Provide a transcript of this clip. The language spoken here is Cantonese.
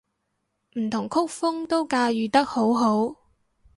唔同曲風都駕馭得好好